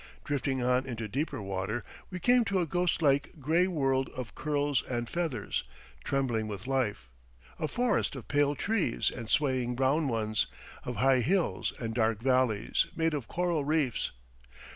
Drifting on into deeper water, we came to a ghost like gray world of curls and feathers, trembling with life, a forest of pale trees and swaying brown ones, of high hills and dark valleys, made by coral reefs.